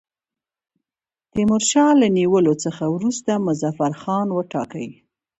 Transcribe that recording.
تیمورشاه له نیولو څخه وروسته مظفرخان وټاکی.